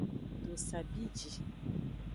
Dosa bi ji.